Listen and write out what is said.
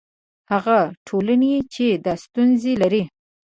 هغه ټولنې چې دا ستونزې لري.